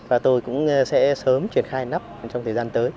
và tôi cũng sẽ sớm truyền khai lắp trong thời gian tới